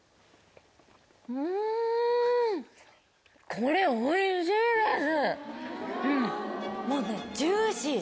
これおいしいです！